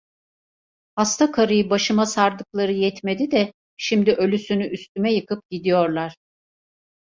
Hasta karıyı başıma sardıkları yetmedi de, şimdi ölüsünü üstüme yıkıp gidiyorlar.